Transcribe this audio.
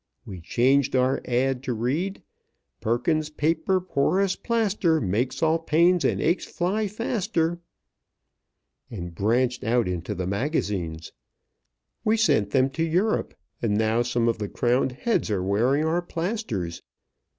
We changed our ad. to read: "Perkins's Paper Porous Plaster Makes all pains and aches fly faster," and branched out into the magazines. We sent a to Europe, and now some of the crowned heads are wearing our plasters.